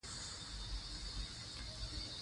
غرونه د افغانستان په ستراتیژیک اهمیت کې رول لري.